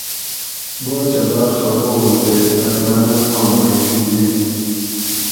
باچہ باۤر خفہ ہُو تے تن ملنگ ما مُعیفی دییئ